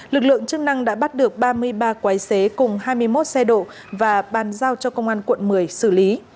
lực lượng chức năng đã bắt được ba mươi ba quái xế cùng hai mươi một xe độ và bàn giao cho công an quận một mươi xử lý